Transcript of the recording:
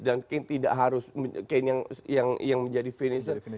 dan kane tidak harus menjadi finisher